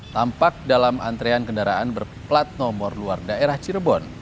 tampak dalam antrean kendaraan berplat nomor luar daerah cirebon